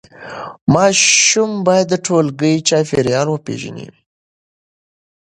ماشوم باید د ټولګي چاپېریال وپیژني.